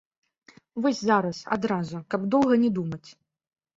Вось зараз, адразу, каб доўга не думаць.